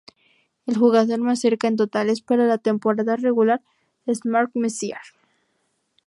El jugador más cerca en totales para la temporada regular es Mark Messier.